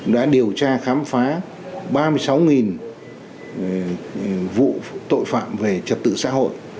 đã điều tra khám phá ba mươi sáu vụ tội phạm về trật tự xã hội